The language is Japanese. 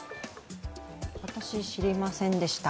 私、知りませんでした。